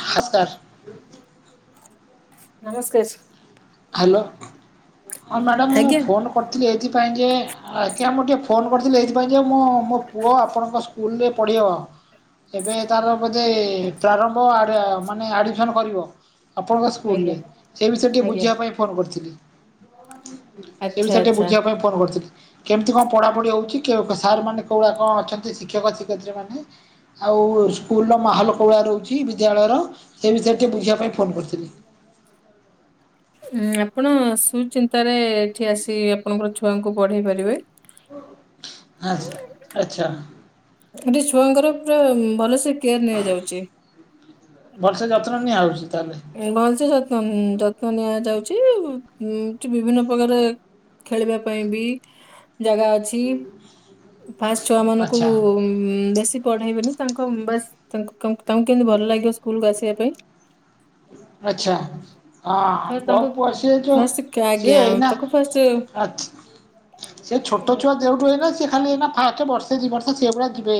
ହଁ ସାରେ। ନମସ୍କାର ସାରେ। ହ୍ୟାଲୋ ହଁ ମ୍ୟାଡ଼ାାମ ମୁଁ ଆଜ୍ଞା। ଫୋନ୍ କରିଥିଲି ଏଇଥିପାଇଁ ଯେ ଆଜ୍ଞାମ ମୁଁ ଫୋନ୍ କରିଥିଲି ଏଇଥି ପାଇଁ ଯେ ମୁଁ ମୋ ପୁଅ ଆପଣଙ୍କ ସ୍କୁଲରେ ପଢ଼ିବ ସେଇ ପାଇଁ ତାର ଏ ପ୍ରାରମ୍ଭ ମାନେ ଆଡମିସନ କରିବ। ଆପଣଙ୍କ ଆଜ୍ଞା ସ୍କୁଲରେ ସେ ବିଷୟରେ ଟିକେ ଆଜ୍ଞା ବୁଝିବା ପାଇଁ ଫୋନ୍ କରିଥିଲି। ସେ ଆଚ୍ଛା ବିଷୟରେ ଟିକେ ଆଚ୍ଛା ବୁଝିବା ପାଇଁ ଫୋନ କରିଥିଲି କେମିତି କଣ ପଢାପଢି ହଉଛି? ସାର୍ ମାନେ କଉରା କଣ ଅଛନ୍ତି ଶିକ୍ଷକ ଶିକ୍ଷୟତ୍ରୀ ମାନେ। ଆଉ ସ୍କୁଲର ମାହଲ କଉଁଳିଆ ଆଉ ସ୍କୁଲର ମହଲୋକ ଗୁଡ଼ା ରହୁଛି ବିଦ୍ୟାଳୟର ସେ ବିଷୟରେ ଟିକେ ବୁଝିବା ପାଇଁ ଫୋନ କରି ଲି ଉଁ ଆପଣ ସୁଚିନ୍ତାରେ ଏଠି ଆସି ଆପଣଙ୍କର ଛୁଆଙ୍କୁ ବଢେଇ ପାରିବେ। ଆଛା ଆଛା। ସେଠି ଛୁଆଙ୍କର ପୁରାବରେସେ ଭଲେସେ ଯତ୍ନ ନିଆହଉଛି ତାହେଲେ ଭଲସେ ଯତ୍ନ ଯତ୍ନ ନିଆଯାଉଛି ବିଭିନ୍ନ ପ୍ରକାରେ ଖେଳିବା ପାଇଁ ବି ଜାଗା ଅଛି। ବାସ୍ ଛୁଆ ମାନଙ୍କୁ ଆଚ୍ଛା ବେଶୀ ପଢେଇବେନି ତାଙ୍କ ବା ତାଙ୍କୁ କେମତି ଭଲ ଲାଗିବ ସ୍କୁଲୁକୁ ଆସିବା ପାଇଁ। ଆଚଛା ହଁ ଫାଷ୍ଟ ତାଙ୍କୁ ବହୁତ ପସିଯାଇଛ ଫାଷ୍ଟ ସିଏ ଆଜ୍ଞା ଏଇ ନା ତାକୁ ଫାଷ୍ଟ ଆାଛାସିଏ ଛୋଟ ଛୁଆ ଦେଉଠୁଏନା ସିଏ ଖାଲି ନା ଫାଷ୍ଟେ ବର୍ଷେ ଦି ବର୍ଷ ସେ ଭଳିଆ ଯିବେ।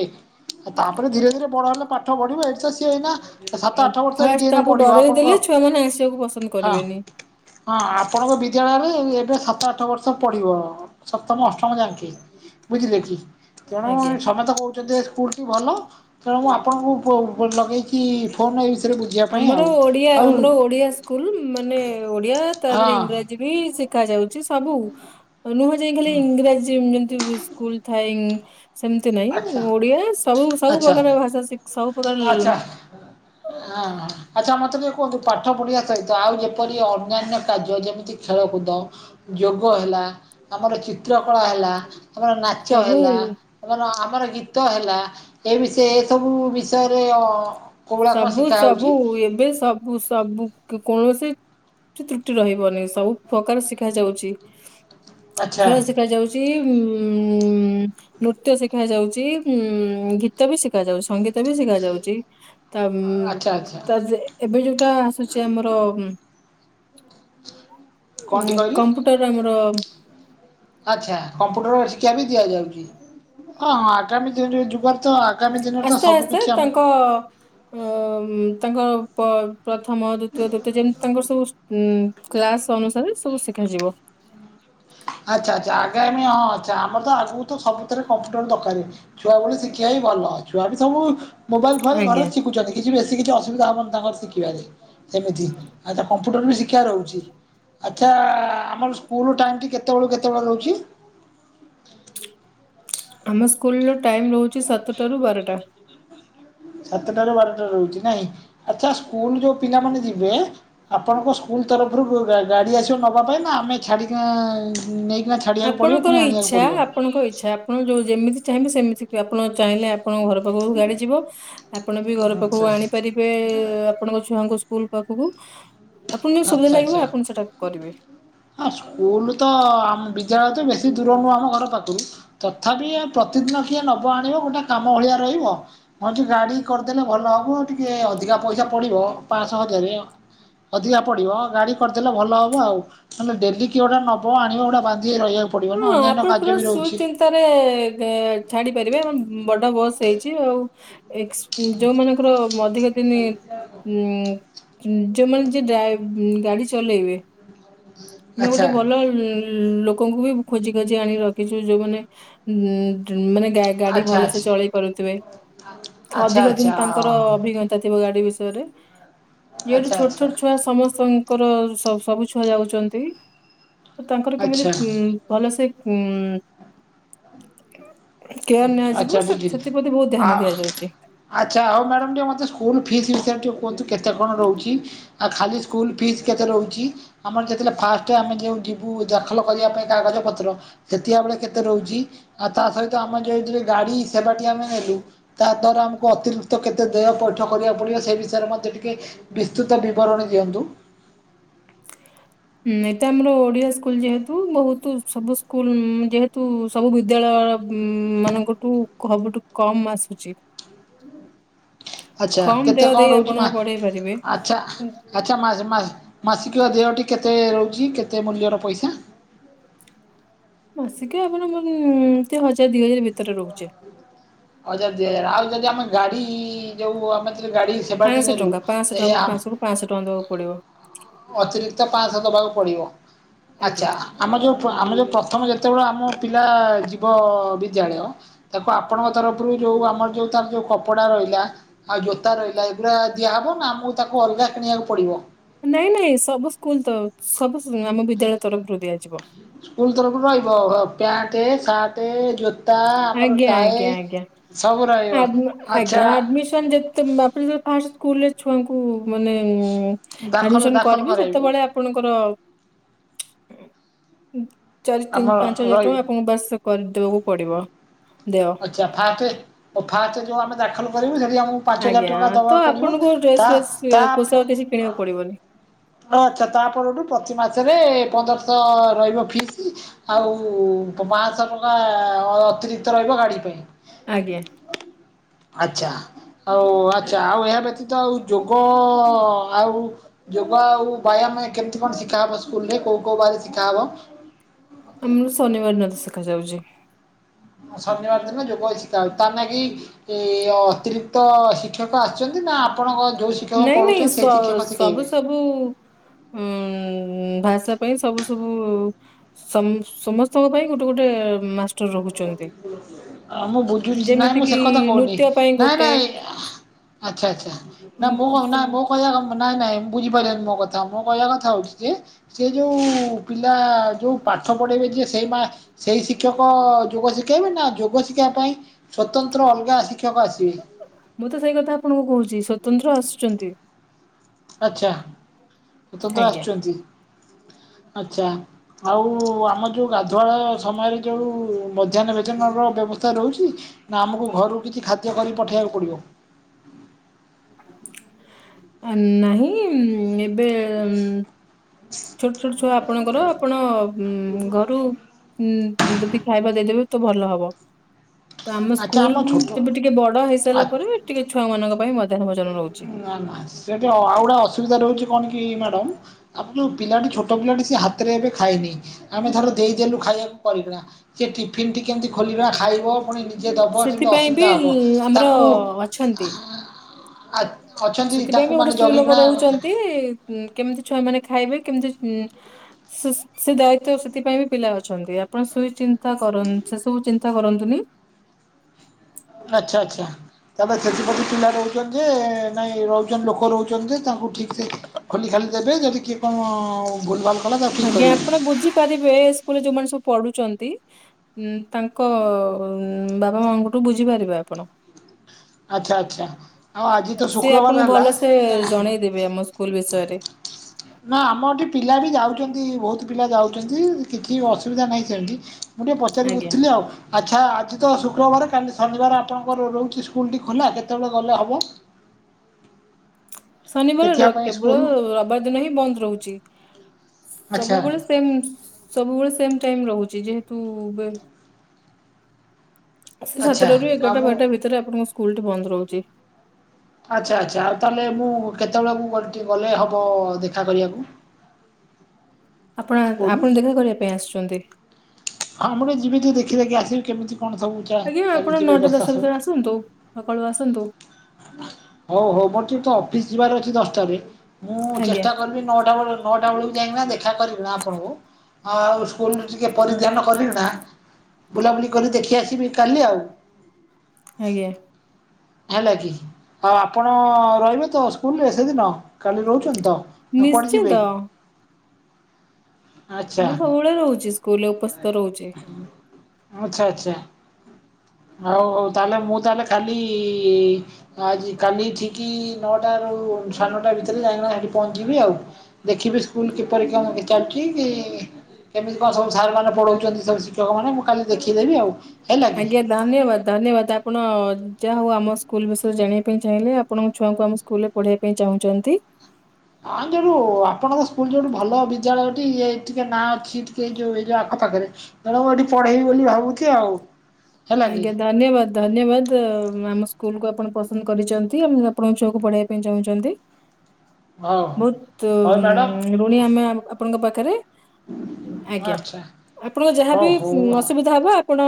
ଆଉ ତାପରେ ଧୀରେ ଧୀରେ ବଡ ହେଲେ ପାଠଢିବ ଏଇଠି ତ ସିଏ ହେଇନା। ସାତ ଆଠ ବର୍ଷ ଏଇଠି ଫାଷ୍ଟ ହେନା ତାଙ୍କୁ ପଡିବ ଡରେଇ ଆପଣଙ୍କ ଦେଲେ ଛୁଆମାନେ ଆସିବାକୁ ପସନ୍ଦ ହଁ। କରିବେନି ହଁ ଆପଣଙ୍କ ବିଦ୍ୟାଳୟରେ ଏବେ ସାତ ଆଠ ବର୍ଷ ପଢିବ। ସପ୍ତମ ଅଷ୍ଟମ ଯାଙ୍କେ ବୁଝିଲେ କି? ତେଣୁ ଆଜ୍ଞା। ସମେତେ କହୁଛନ୍ତି ଏ ସ୍କୁଲଟି ଭଲ। ତେଣୁ ମୁଁ ଆପଣଙ୍କୁ ଲଗେଇଚି ଆମର ଓଡିଆ ଆମର ଓଡିଆ ସ୍କୁଲ ମାନେ ଓଡିଆ ତା ହଁ ଦେହରେ ଇଂରାଜୀ ବି ଶିଖା ଯାଉଚି। ସବୁ ନୁହଁ ଯାଇ ଖାଲି ଇଂରାଜୀ ଯେମତି ସ୍କୁଲ ଥାଏ। ସେମିତି ନାହିଁ ଆଚ୍ଛା ଓଡିଆ ସବୁ ସବୁ ଆଚ୍ଛା ପ୍ରକାର ଭାଷା ସିକ ସବୁ ପ୍ରକାର ଆଚ୍ଛା। ହଁ ହଁ ଆଛା ମତେ କୁହନ୍ତୁ କୁହନ୍ତୁ ପାଠ ପଢିବା ସହିତ ଆଉ ଯେପରି ଅନ୍ୟାନ୍ୟ କାର୍ଯ୍ୟ ଯେମିତି ଖେଳକୁଦ ଯୋଗ। ହେଲା ଆମର ଚିତ୍ର କଳା ହେଲା ଆମର ନାଚ ସବୁ ହେଲା। ଆମର ଆମର ଗୀତ ହେଲା ଏ ବିଷୟ ଏ ସବୁ ବିଷୟରେ ଅ କୋଉଗୁଡା କଣ ସବୁ ଶିଖା ହଉଛି? ସବୁ ଏବେ ସବୁ ସବୁ କୌଣସି ସେ ତ୍ରୁଟି ରହିବନି ସବୁ ପ୍ରକାର ଶିଖା ଯାଉଚି।। ଆଚ୍ଛା ଖେଳ ଶିଖ ଯାଉଚି ଉଁ। ନୃତ୍ୟ ଶିଖା ଯାଉଚି ଉଁ ଗୀତ ବି ଶିଖା ଯାଉଚି ସଙ୍ଗୀତ ବି ଶିଖ ଯାଉଚି। ଆଚ୍ଛା ଆଚ୍ଛା ତା ଏବେ ଯୋଉଟା ଆସୁଛି ଆମର ଉଁ କଣଟି କମ୍ପ୍ୟୁଟର ଆମର ଆଛା କମ୍ପୁଟର ଶିକ୍ଷା ବି ଦିଆଯାଉଚି। ହଁ ହଁ। ଆଗାମୀ ଦିନରେ ଯୁଗରେ ତ ଆଗାମୀ ଦିନରେ ତ ଆସ୍ତେ ସବୁ ଆସ୍ତେ କିଛି ତାଙ୍କ ଆମକୁ ଅ ତାଙ୍କ ପ ପ୍ରଥମ ଦ୍ଵିତୀୟ ତୃତୀୟ ଯେମିତି ତାଙ୍କର ସବୁ ଉଁ କ୍ଲାସ ଅନୁସାରେ ସବୁ ଶିଖାଯିବ। ଆଚ୍ଛା ଆଚ୍ଛା ଆଗାମୀ ହଁ ଆଛା ଆମର ତ ଆଗକୁ ତ ସବୁଥିରେ କମ୍ପ୍ୟୁଟର ଦରକାର। ଛୁଆ ବେଳୁ ଶିଖିବା ହି ଭଲ। ଛୁଆ ବି ସବୁ ମୋବାଇଲ ଭଲ ଘରେ ଆଜ୍ଞା ଶିଖୁଛନ୍ତି କିଛି ବି କିଛି ଅସୁବିଧା ହବନି ତାଙ୍କର ଶିଖିବାରେ। ସେମିତି ଆ କମ୍ପ୍ୟୁଟର ରେ ବି ଶିକ୍ଷା ରହୁଚି। ଆଚ୍ଛା ଆମର ସ୍କୁଲ ଟାଇମ୍ଟି କେତେବେଳୁ କେତେବେଳେ ରହୁଛି। ଆମ ସ୍କୁଲର ଟାଇମ ରହୁଛି ସାତଟାରୁ ବାରଟା। ସାତଟ ର ବାରଟା ରହୁଛି ନାହିଁ। ଆଚ୍ଛା ସ୍କୁଲ ଯୋଉ ପିଲାମାନୋନ ଯିବେ ଆପଣଙ୍କ ସ୍କୁଲ ତରଫରୁ ଗୋ ଗାଆସ ନ ଆମେ ଛାଡି ନେଇ ଆପଣଙ୍କର ଇଚ୍ଛା ଆପଣଙ୍କ ଇଛା। ଆପଣ ଯୋଉ ଯେମିତି ଚାହିଁବେ ସେମିତି ଆପଣ ଚାହିଁଲେ ଆପଣଙ୍କ ଘର ପାଖକୁ ଗାଡି ଯିବ ଆପଣ ବି ଘର ଆଚ୍ଛା ପାଖକୁ ଆଣିପାରିବେ। ଆପଣଙ୍କ ଛୁଆଙ୍କୁ ବୁନ ପାଖକୁ। ଆପଣଙ୍କୁ ଯୋଉ ସୁବିଧା ଆଛା ଲାଗିବ ଆଛା ଆପଣ ସେଟା କରିବେ ହଁ ସ୍କୁଲ ତ ଆମ ବିଦ୍ୟାଳୟ ତ ବେଶୀ ଦୂର ନୁହଁ। ଆମ ଘର ପାଖରୁ ତଥାପି ପ୍ରତିଦିନ କିଏ ନେ ଆଣିବ ଗୋଟେ କାମ ଭଳିଆ ରହିବ କଣ ଗାଡି କରିଦେଲେ ଭଲ ହବ ଟିକେ ଅଧିକା ପଇସା ପଡିବ। ପାଞ୍ଚ ଶହ ହଜାରେ। ଅଧିକା ପଡ଼ିବ ଗାଡ଼ି କରିଦେଲେ ଭଲ ହବ ଆଉ। ନହେଲେ ଡେଲି କିଏ ଗୋଟା ନବ ଆଣିବ ଗୋଟା ବାନ୍ଧି ହେଇକି ରହିବାକୁ ପଡ଼ିବ। ନା ହଁ ଅନ୍ୟାନ୍ୟ ଆପଣ କାର୍ଯ୍ୟ ପୁରା ବି ରହୁଛି। ସୁଚିନ୍ତାରେ ଛାଡି ପାରିବେ। ଆମ ବଡ ବସ୍ ହେଇଛି ଆଉ ଏକସ ଯୋଉମାନଙ୍କର ଅଧିକ ଦିନି ଉ ଯୋଉମାନେ ଯେ ଡା ଗାଡି ଚଲେଇବେ। ଆମେ ଆଚ୍ଛା ଗୋଟେ ଭଲ ଉଁ ଲୋକଙ୍କୁ ବି ଖୋଜି ଖୋଜି ଆଣି ରଖିଚୁ। ଯୋଉମାନେ ଉ ମାନେ ଗାଡି ଆଚ୍ଛା ଭଲସେ ଚଳେଇ ପାରୁଥିବେ। ଆଚ୍ଛା ଆଚ୍ଛା ଅଧିକ ଦିନ ଆଚ୍ଛା ତାଙ୍କର ହଁ ଅଭିଜ୍ଞତା ଥିବ ଗାଡି ବିଷ ୟାଠୁ ଆଚ୍ଛା ଛୋଟ ଆଚ୍ଛା। ଛୋଟ ଛୁଆ ସମସ୍ତଙ୍କର ସବୁ ଛୁଆ ଯାଉ ତି ତାଙ୍କର କେମିତି ଆଚ୍ଛା ଉଁ ଭଲସେ ହୁଁ। ଆଚ୍ଛା ବୁଝିଲି ଧ୍ୟାନ ଆ ଦିଆଯାଉଛି ଆଚ୍ଛା ହଉ ମ୍ୟାଡ଼ ଟିକେ ମତେ ସ୍କୁଲ [unintelligible] ଟିଉସନ କେତେ କଣ ରହୁଚି। ଖାଲି ସ୍କୁଲ ଫିସ କେତେ ରହୁଛି ଆମର ଯେତେବେଳେ ଫାଷ୍ଟ ଆମେ ଯୋଉ ଯିବୁ ଦାଖଲ କରିବା ପାଇଁ କାଗଜ ପତ୍ର। ସେଠିଆ ବେଳେ କେତେ ରହୁଚି। ଆଉ ତା ସହିତ ଆମ ଯୋଉ ଯିଏ ଗାଡି ସେବାଟି ନେଲୁ। ତା ଦ୍ଵାରା ଆମକୁ ଅତିରିକ୍ତ କେତେ ଦେଅ ପଇଠ କରିବାକୁ ପଡିବ। ସେ ବିଷୟରେ ମତେ ଟିକେ ବିସ୍ତୃତ ବିବରଣୀ ଦିଅନ୍ତୁ। ହୁଁ ଏଇଟା ଆମର ଓଡିଆ ସ୍କୁଲ ଯେହେତୁ ବହୁତୁ ସବୁ ସ୍କୁଲ ଉଁ ଯେହେତୁ ସବୁ ବିଦ୍ୟାଳୟ ଳୟ ଉଁ ମାନଙ୍କଠୁ କମ ସବୁଠୁ କମ୍ ଆସୁଛି। ଆଚ୍ଛା କମ କେତେ ଦେୟ କଣ ଦେଇ ରହୁଛି ଆପଣ ମା ପଢେଇ ପାରିବେ ଆଚ୍ଛା ଆଚ୍ଛା ମାସ ମାସ ମାସିକ ଦେୟଟି କେତେ ରହୁ ଜି କେତେ ମୂଲ୍ୟର ପଇସା? ମାସିକିଆ ଆପଣଙ୍କ ଉଁ ଏମତି ହଜାର ଦି ହଜାର ଭିତରେ ରହୁଛି। ହଜାରେ ଦିହଜାରେ ଆଉ ଯଦି ଆମେ ଗାଡି ଇ ଯୋଉ ଆମେ ଗାଡି ସେବାଟି ପାଞ୍ଚଶହ କରିବୁ ଟଙ୍କା ପାଞ୍ଚଶହ ତ ଟଙ୍କା ଆମର ଏଇୟା ମାସକୁ ପାଞ୍ଚଶହ ଟଙ୍କା ଦବାକୁ ପଡିବ ଅତିରିକ୍ତ ପାଞ୍ଚଶହ ଦବାକୁ ପଡିବ ଆଜ୍ଞା। ଆଚ୍ଛା ଆମ ଯୋଉ ଆମେ ଯୋଉ ପ୍ର ପ୍ରଥମେ ଯେତେବେଳେ ଆମ ପିଲା ଯିବ ବିଦ୍ୟାଳୟ ତାକୁ ଆପଣଙ୍କ ତରଫରୁ ଯୋଉ ଆମର ଯୋଉ ତାର ଯୋଉ କପଡା ରହିଲା ଆଉ ଜୋତା ରହିଲା ଏଗୁରା ଦିଆହବ ନା ଆମକୁ ତାକୁ ଅଲଗା କିଣିବାକୁ ପଡିବ? ନାଇଁ ନାଇଁ ସବୁ ସ୍କୁଲ ତ ସବୁ ଆମ ବିଦ୍ୟାଳୟ ତରଫରୁ ଦିଆଯି ସ୍କୁଲ ତରଫରୁ ରହିବ ପ୍ୟାଣ୍ଟ୍ ସାର୍ଟ ତା ଆମର ଆଜ୍ଞା ଟାଏ ଆଜ୍ଞା ଆଜ୍ଞା। ସବୁ ରହିବ ଆଡ୍ ଆଚ୍ଛା ଆଜ୍ଞା ଆଡମିସନ ଯେତେ ମୋତେ ତ ଫାଷ୍ଟ ସ୍କୁଲ୍ ରେ ଛୁଆଙ୍କୁ ମାନେ ଉଁ ଦାଖଲ ଆଡମିସନ ଦାଖଲ କରିବୁ କରାଇବୁ ସେତେବେଳେ ଆପଣଙ୍କର ଚାରି ତିନି ଆମର ପାଞ୍ଚ ହଜାର ରହିବ ଟଙ୍କା ଆପଣଙ୍କୁ ବାସ କରିଦବାକୁ ପଡିବ। ଦେୟ। ଆଛା ଫାଷ୍ଟେ ଓ ଫାଷ୍ଟେ ଯୋଉ ଆମେ ଦାଖଲ କରିବୁ ସେଠି କୁ ପାଞ୍ଚ ହଜାର ଆଜ୍ଞା ଟଙ୍କା ତ ଦବାକୁ ପଡିବ ଆପଣଙ୍କୁ ଡ୍ରେସ ତା ଫ୍ରେସ୍ ତା ପୋଷାକ କିଛି କିଣିବାକୁ ପଡିବନି ହ ଆଛା ତା ପରଠୁ ପ୍ରତି ମାସରେ ରେ ପନ୍ଦରଶହ ରହିବ ଫିସ୍ ଆଉ ପାଞ୍ଚଶହ ଟଙ୍କା ଅ ଅତିରିକ୍ତ ରହିବ ଗାଡି ପାଇଁ ଆଜ୍ଞା। ଆଚ୍ଛା। ଆଉ ଆଚ୍ଛା ଆଉ ଏହା ବ୍ୟତୀତ ଆଉ ଯୋଗ ଆଉ ଯୋ ଆଉ ବ୍ୟାୟାମେ କେମିତି କଣ ଶିଖା ହବ ସ୍କୁଲ ରେ କୋଉ କୋଉ ବାର ଶିଖାହବ। ଆମର ଶନିବାର ଦିନ ଶିଖାଯାଉଛି। ଶନିବାର ଦିନ ଯୋଗ ଶିଖା ହଉଛି ତ ନାଗି ଇ ଅତିରିକ୍ତ ଶିକ୍ଷକ ଆସି ନାଇଁ ନାଇଁ ସେଇ ସ ଶିକ୍ଷକ ସବୁ ଶିଖେଇବେ? ସବୁ ଉ ଉ ଭାଷା ପାଇଁ ସବୁ ସବୁ ସମ୍ ସମସ୍ତଙ୍କ ପାଇଁ ଗୋଟେ ଗୋଟେ ମାସ୍ ଆ ମୁଁ ବୁଝୁଛି ନାଇଁ ଯେମିତି ମୁଁ ସେ କିି କଥା କହୁନି ନୃତ୍ୟ ପାଇଁ ନାଇଁ ଗୋଟେ ନାଇଁ ଆ ଆଚ୍ଛା ଆଚ୍ଛା ନା ମୁଁ ଉଁ, କ ନା ସ- ମୁଁ କହିବା କତ ନାଇଁ ନାଇଁ ମୁଁ ବୁଝିପାରିଲେନି ମୋ କଥା ମୋ କହିବା କଥା ହଉଛି ଯେ ସେ ଯୋଉ ପିଲା ଯୋଉ ପା ପାଠ ପଢ଼େଇବେ ଯିଏ ସେଇ ମା ସେଇ ଶିକ୍ଷକ ଯୋଗ ଶିଖାଇବେ ନା ଯୋଗ ଶିଖିବା ପାଇଁ ସ୍ୱତନ୍ତ୍ର ଅଲଗା ଶିକ୍ଷକ ଆସିବେ। ମୁଁ ତ ସେଇ କଥା ଆପଣଙ୍କୁ କହୁଛି ସ୍ୱତନ୍ତ୍ର ଆସୁଛନ୍ତି। ଆଛା ସ୍ଵତନ୍ତ୍ର ଆଜ୍ଞା ଆସୁଛନ୍ତି। ଆଛା ଆଉ ଆମ ଯୋଉ ଗାଧୁଆଳ ସମୟରେ ଯୋଉ ମଧ୍ୟାହ୍ନ ଭୋଜନ ର ବ୍ୟବସ୍ତା ରହୁଛି ନା ଆମକୁ ଘରୁ କିଛି ଖାଦ୍ୟ କରି ପଠେଇବାକୁ ପଡିବ। ନାହିଁ ଉ ଏବେ ଏମ୍ ଛୋଟ ଛୋଟ ଛୁଆ ଆପଣଙ୍କର ଆପଣ ଉ ଘରୁ ଉ ଯଦି ଖାଇବା ଦେଇଦେବେ ତ ଭଲ ହବ। ତ ଆମ ଆଚ୍ଛା ସ୍କୁଲ ଛୋଟ ଉଁ ଟିକେ ବଡ ଆ ହେଇସାରିଲା ପରେ ଟିକେ ଛୁଆ ମାନଙ୍କ ପାଇଁ ମଧ୍ୟ ନା ନା ସେଠି ଅ ଆଉ ଗୁଟେ ଅସୁବିଧା ରହୁଛି। କଣ କି ମ୍ୟାଡ ଆପ ଯୋଉ ପିଲାଟି ଛୋଟ ପିଲାଟି ସେ ହାତରେ ଏବେ ଖାଇନି ଆମେ ଧର ଦେଇଦେଲୁ ଖାଇବାକୁ କରିକିଣା ଯେ ଟିଫିିନ ଟି କେମିତି ଖୋଲିବା ଖାଇବ ପୁଣି ନିଜେ ଦେବ ସେମିତି ସେଥିପାଇଁ ବି ଅସୁବିଧା ହେବ ଆମର ତାକୁ ଅଛନ୍ତି। ଆ ଅଛନ୍ତି ସେଥିପାଇଁ ତାଙ୍କୁ ବି ଗୋଟେ ମାନେ ସ୍ତ୍ରୀ ଲୋକ ଜଗିକିନା ରହୁଛନ୍ତି ଇ କେମିତି ଛୁଆ ମାନେ ଖାଇବେ କେମିତି ଇମ୍ ସେ ଦାୟିତ୍ୱ ସେଥିପାଇଁ ବି ପିଲା ଅଛ ଛନ୍ତି ଆପଣ ସୁଚିନ୍ତା କର ସେ ସବୁ ଚିନ୍ତା କରନ୍ତୁନି। ଆଛା ଆଛା ତାପାଖେ ପିଲା ରହୁ ର ଯେ ନାଇଁ ରହୁ ଲୋକ ରହୁଛନ୍ତି ତାଙ୍କୁ ଠିକ୍ ସେ ଖୋଲି ଖାଲି ଦେବେ ଯଦି କିଏ କଣ ଅ ଉ ଗୁଳନ। ଆଜ୍ଞା ଆପଣ ବୁଝିପାରିବେ ଏ ସ୍କୁଲରେ ଯୋଉମାନେ ସବୁ ପଢୁଛନ୍ ନ୍ତି ତାଙ୍କ ବାପା ମାଙ୍କଠୁ ବୁଝିପାରିବେ ଆପଣ। ଆଛା ଆଚ୍ଛା। ଆଉ ଆଜି ତ ସେ ଶୁକ୍ରବାର ଆପଣଙ୍କୁ ହେଲା ଭଲସେ କା ଜଣେଇଦେବେ ଆମ ସ୍କୁଲ ବିଷୟରେ ନା ଆମ ଏଠି ପିଲା ବି ଯାଉଛନ୍ତି ବହୁତ ପିଲା ଯାଉଛନ୍ତି କିଛି ଅସୁବିଧା ନାହିଁ ସେଠି ମୁଁ ଟିକେ ପଚାରି ଆଜ୍ଞା। ବୁଝୁଥିଲି ଆଉ ଆଚ୍ଛା ଆଜି ତ ସୁ ଶୁକ୍ରବାର କାଲି ଶନିବାର ଆପଣଙ୍କର ରହୁଛି ସ୍କୁଲଟି ଖୋଲା କେତେବେଳେ ଗଲେ ହବ? ଶନିବାର ପାଇଁ କେବଳ ସ୍କୁଲ ରବିବାର ଦିନ ହିଁ ବନ୍ଦ ରହୁଛି। ଆଚ୍ଛା ସବୁବେଳେ ସେମ ସବୁବେଳେ ସେମ ଟାଇମ ରହୁଛି ଯେହେତୁ ସେ ଆଚ୍ଛା ସାତଟ ରୁ ଆଉ ଏଗାରଟା ମୁଁ ବାରଟା ଭିତରେ ଆପଣଙ୍କ ସ୍କୁଲଟି ବନ୍ଦ ରହୁଛି। ଆଚ୍ଛା ଆଚ୍ଛା ଆଉ ତାହେଲେ ମୁଁ କେତେବେଳକୁକ ଗଲେ ହବ ଦେଖା କରିବାକୁ? ଆପଣ ସ୍କୁଲ ଆପଣ ଦେଖା କରିବା ପାଇଁ ଆସୁଛନ୍ତି? ମୁଁ ରେ ଟିକେ ଯିବି ତୁ ଦେଖିବା କି ଆସିବି କେମିତି କଣ ସବୁ ଆଜ୍ଞା ଆପଣ ଚାଲିଛି ନଅଟା ବ୍ୟବସ୍ଥା ଦଶଟା ଭିତରେ ଆସନ୍ତୁ। ସକାଳୁ ଆସନ୍ତୁ ସବୁ। ହଉ ହଉ ମୋର ତ ଅଫିସ ଯିବାର ଅଛି ଦଶଟାରେ। ମୁଁ ଆଜ୍ଞା ଚେଷ୍ଟା କରିବି ନଅଟା ବେଳ କୁ ନଅଟା ବେଳକୁ ଯାଇକିନା ଦେଖା କରିବି ନା ଆପଣଙ୍କୁ ଆଉ ସ୍କୁଲ ଟିକେ ପରିଧ୍ୟାନ କରିଇ ନା ବୁଲାବୁଲି କରି ଦେଖି ଆସିବି କାଲି ଆଉ। ଆଜ୍ଞା। ହେଲା କି ଆଉ ଆପଣ ରହିବେ ତ ସ୍କୁଲରେ ସେଦିନ କାଲି ରହୁଛନ୍ତି ତ? ନା କୁଆଡ଼େ ଯିବେ ନିଶ୍ଚିତ। ଆଚ୍ଛା ମୁଁ ସବୁବେଳେ ରହୁଛି ସ୍କୁଲରେ ଉପସ୍ଥିତ ରହୁଛି। ଆଛା ଆଚ୍ଛା। ହଉ ହଉ ତାହଲେ ମୁଁ ତାହେଲେ କାଲି ଆଜି କାଲି ଠିକ ନଅଟ ର ଆଉ ସାଢେ ନଅଟା ଭିତରେ ଯାଇକ ସେଠି ପହଞ୍ଚିବି ଆଉ। ଦେଖିବି ସ୍କୁଲ କିପରି କଣ ଚାଲିଛି ଇ କେମିତି କଣ ସବୁ ସାରମାନୋ ପଢ଼ାଉଛନ୍ତି ସବୁ ଶିକ୍ଷକମାନେ ମୁଁ କାଲି ଦେଖିଦେବି ଆଉ ହେଲା କି? ଆଜ୍ଞା ଧନ୍ୟବାଦ ଧନ୍ୟବାଦ ଆପଣ ଯାହା ହଉ ଆମ ସ୍କୁଲ ବିଷୟରେ ଜାଣିବା ପାଇଁ ଚାହିଁଲେ ଆପଣଙ୍କ ଛୁଆଙ୍କୁ ଆମ ସ୍କୁଲ ରେ ପଢେଇବା ପାଇଁ ଚାହୁଁଛନ୍ତି। ପୁଣି ଯୋଉଠି ଭଲ ବିଦ୍ୟାଳୟ ଟିକେ ନାଁ ଅଛି ଟିକେ ଏଉ ଯୋଉ ଆଖ ପାଖରେ ଧର ମୁଁ ଏଠିଢେଇବିଲି ଭାବୁଛି ଆଉ। ହେଲା କି ଆଜ୍ଞା ଧନ୍ୟବାଦ ଧନ୍ୟବାଦ ଆମ ସ୍କୁ ସ୍କୁଲ କୁ ଆପଣ ପସନ୍ଦ କରିଛନ୍ତି ଆ ଆପଣଙ୍କ ଛୁଆକୁ ପଢେଇବା ପାଇଁ ଚାହୁଁଛନ୍ତି। ହଉ ହଉ। ବହୁତ ହଉ ମ୍ୟାଡ଼ାମ ଋଣୀ ଆମେ ଆପଣଙ୍କ ପାଖରେ। ଆଜ୍ଞା ଆଚ୍ଛା ଆପଣଙ୍କ ହଉ ଯାହାବି ହଉ। ଅସୁବିଧା ହବ ଆପଣ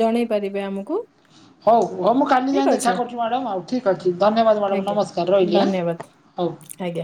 ଜଣେଇ ପାରିବେ ଆମକୁ। ହ। ହଉ ହଉ ମୁଁ କାଲି ଠିକ ଯାଇଏ ଦେଖା ଅଛି କରୁଛି ମ୍ୟାଡ଼ାମ୍ ଆଉ ଠିକ୍ ଅଛି ଧନ୍ୟବାଦ ମ୍ୟାଡ଼ାମ୍ ଆଜ୍ଞା ନମସ୍କାର ରହିଲି ଆ। ଧନ୍ୟବାଦ ହଉ। ଆଜ୍ଞା